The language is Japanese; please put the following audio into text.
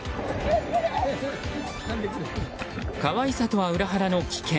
可愛さとは裏腹の危険。